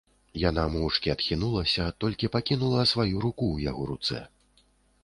Яна моўчкі адхінулася, толькі пакінула сваю руку ў яго руцэ.